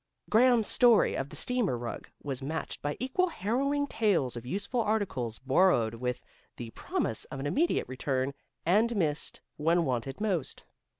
Graham's story of the steamer rug was matched by equally harrowing tales of useful articles borrowed with the promise of an immediate return, and missed when wanted most.